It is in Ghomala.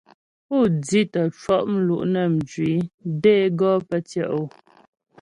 Pú di tə́ cwɔ' mlu' nə́ mjwi də é gɔ pə́ tyɛ' o.